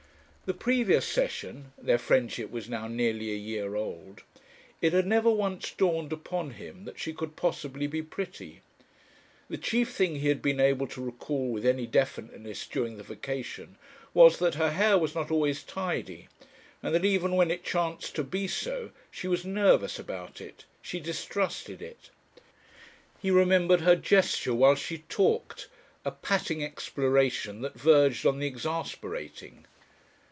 The previous session their friendship was now nearly a year old it had never once dawned upon him that she could possibly be pretty. The chief thing he had been able to recall with any definiteness during the vacation was, that her hair was not always tidy, and that even when it chanced to be so, she was nervous about it; she distrusted it. He remembered her gesture while she talked, a patting exploration that verged on the exasperating.